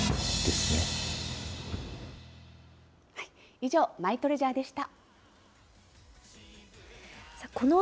以上、マイトレジャーでした。